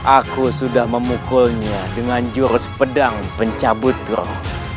aku sudah memukulnya dengan jurus pedang pencabut drone